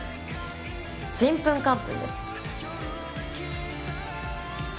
ちんぷんかんぷんです。